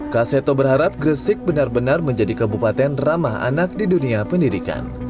kak seto berharap gresik benar benar menjadi kabupaten ramah anak di dunia pendidikan